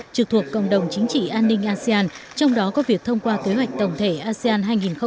trực thuộc cộng đồng chính trị an ninh asean trong đó có việc thông qua kế hoạch tổng thể asean hai nghìn hai mươi năm